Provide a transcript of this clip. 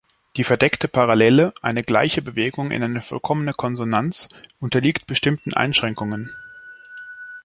Die verdeckte Parallele, eine gleiche Bewegung in eine vollkommene Konsonanz, unterliegt bestimmten Einschränkungen.